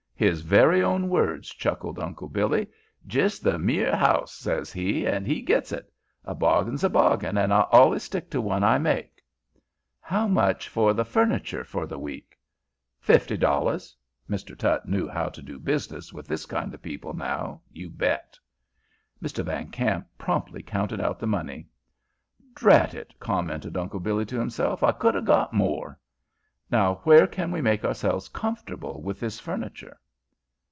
"His very own words!" chuckled Uncle Billy. "''Jis' th' mere house,' says he, an' he gits it. A bargain's a bargain, an' I allus stick to one I make." "How much for the furniture for the week?" "Fifty dollars!" Mr. Tutt knew how to do business with this kind of people now, you bet. Mr. Van Kamp promptly counted out the money. "Drat it!" commented Uncle Billy to himself. "I could 'a' got more!" "Now where can we make ourselves comfortable with this furniture?"